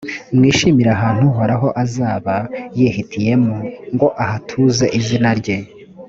mwishimire ahantu uhoraho azaba yihitiyemo ngo ahatuze izina rye.